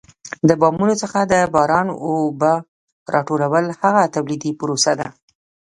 د بامونو څخه د باران اوبه را ټولول هغه تولیدي پروسه ده.